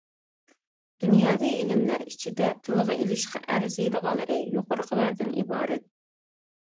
دۇنياۋى ئىلىملەر ئىچىدە تىلغا ئېلىشقا ئەرزىيدىغانلىرى يۇقىرىقىلاردىن ئىبارەت.